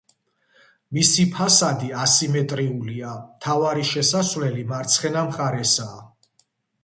მისი ფასადი ასიმეტრიულია, მთავარი შესასვლელი მარცხენა მხარესაა.